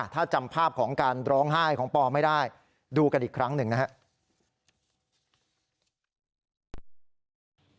ถ้าจำภาพของการร้องไห้ของปอไม่ได้ดูกันอีกครั้งหนึ่งนะครับ